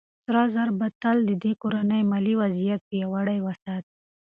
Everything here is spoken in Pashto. سره زر به تل د دې کورنۍ مالي وضعيت پياوړی وساتي.